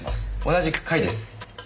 同じく甲斐です。